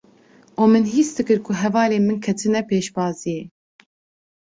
û min hîs dikir ku hevalên min ketine pêşbaziyê;